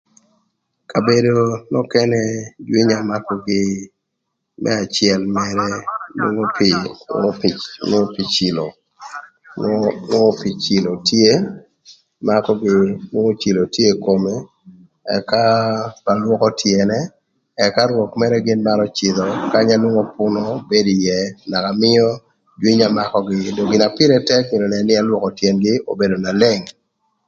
Kabedo nökënë jwïnya makögï më acël mërë nwongo pi nwongo pic nwongo pi cilo nwongo nwongo pï cilo tye makögï nwongo cilo tye ï kome ëka ba lwökö tyënë ëka rwök mërë gïn marö cïdhö kanya nwongo pünö bedo ïë naka mïö jwïnya makögï dong gin na pïrë tëk myero önën nï ëlwökö tyëngï obedo na leng.